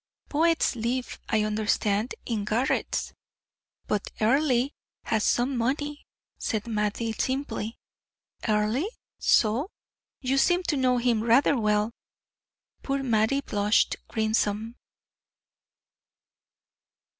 Poets live, I understand, in garrets." "But Earle has some money," said Mattie, simply. "Earle? So? You seem to know him rather well." Poor Mattie blushed crimson.